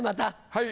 はい。